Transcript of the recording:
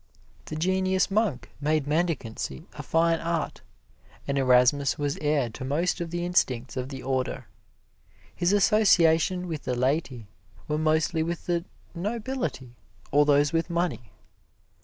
The genius monk made mendicancy a fine art, and Erasmus was heir to most of the instincts of the order. His associations with the laity were mostly with the nobility or those with money.